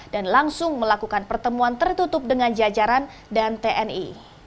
dan langsung melakukan pertemuan tertutup dengan jajaran dan tni